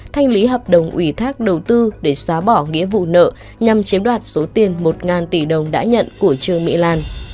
thanh lý hợp đồng ủy thác đầu tư để xóa bỏ nghĩa vụ nợ nhằm chiếm đoạt số tiền một tỷ đồng đã nhận của trương mỹ lan